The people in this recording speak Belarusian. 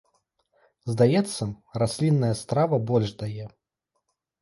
Здаецца, раслінная страва больш дае.